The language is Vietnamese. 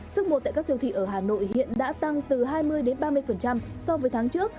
sức mua tại các siêu thị ở hà nội hiện đã tăng từ hai mươi ba mươi so với tháng trước